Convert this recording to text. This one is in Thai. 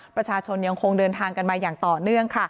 ประชาชนยังคงเดินทางกันมาอย่างต่อเนื่องค่ะ